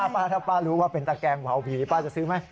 ป้าถ้าป้ารู้ว่าเป็นตะแกงเผาผีป้าจะซื้อไหม